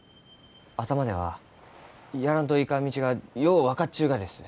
頭ではやらんといかん道がよう分かっちゅうがです。